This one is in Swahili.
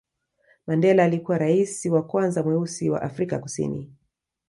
mandela alikuwa raisi wa kwanza mweusi wa afrika kusini